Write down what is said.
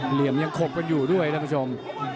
เหลี่ยมยังขบกันอยู่ด้วยท่านผู้ชม